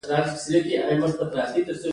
یو سل او دوه ویشتمه پوښتنه د تقاعد په اړه ده.